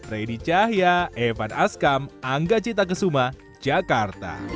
ready cahya evan askam angga cita kesuma jakarta